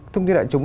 thông tin đại chúng